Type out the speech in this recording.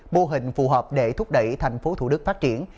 mô hình phù hợp để thúc đẩy thành phố thủ đức phát triển